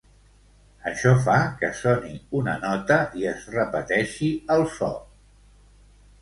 Això fa que soni una nota i es repeteixi el so.